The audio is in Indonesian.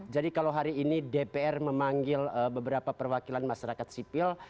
jadi kalau hari ini dpr memanggil beberapa perwakilan masyarakat sipil